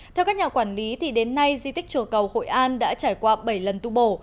theo các nhà quản lý đến nay di tích chùa cầu hội an đã trải qua bảy lần tu bổ